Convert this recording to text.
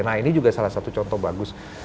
nah ini juga salah satu contoh bagus